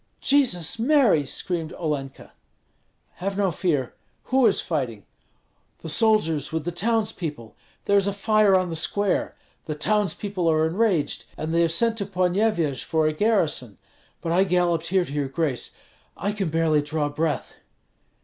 "Jesus Mary!" screamed Olenka. "Have no fear! Who is fighting?" "The soldiers with the townspeople. There is a fire on the square! The townspeople are enraged, and they have sent to Ponyevyej for a garrison. But I galloped here to your grace. I can barely draw breath."